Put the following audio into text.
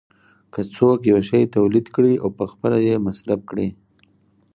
که څوک یو شی تولید کړي او پخپله یې مصرف کړي